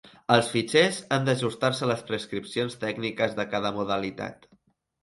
Els fitxers han d'ajustar-se a les prescripcions tècniques de cada modalitat.